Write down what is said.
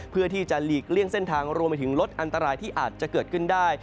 เพื่อที่จะหลีกเลี่ยงเส้นทางรวมไปถึงลดอันตรายที่อาจจะเกิดขึ้นได้